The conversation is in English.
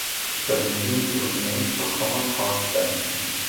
The community was named for Thomas Hart Benton.